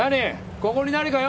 ここに何か用？